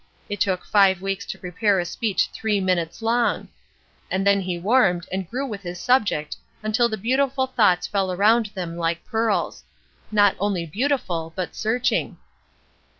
It took five weeks to prepare a speech three minutes long. And then he warmed, and grew with his subject until the beautiful thoughts fell around them like pearls. Not only beautiful, but searching.